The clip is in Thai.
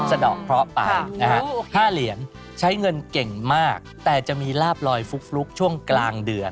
สะดอกเคราะห์ไปนะฮะ๕เหรียญใช้เงินเก่งมากแต่จะมีลาบลอยฟลุกช่วงกลางเดือน